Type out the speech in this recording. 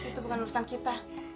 itu bukan urusan kita